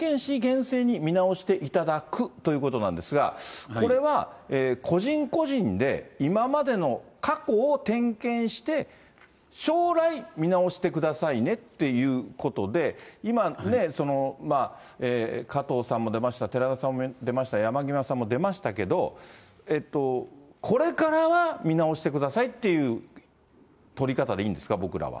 岸田総理なんですが、田崎さんね、当該団体、統一教会との関係について、みずから点検し、厳正に見直していただくということなんですが、これは、個人個人で、今までの過去を点検して、将来見直してくださいねっていうことで、今ね、加藤さんも出ました、寺田さんも出ました、山際さんも出ましたけど、これからは見直してくださいっていう取り方でいいんですか、僕らは。